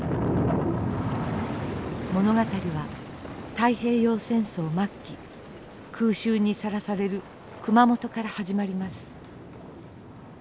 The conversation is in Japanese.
物語は太平洋戦争末期空襲にさらされる熊本から始まります。